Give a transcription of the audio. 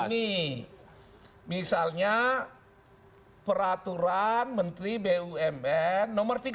ini misalnya peraturan menteri bumn nomor tiga dua ribu dua belas